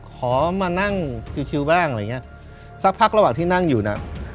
ขอมานั่งชิวแบบนี้สักพักระหว่างที่นั่งอยู่นะ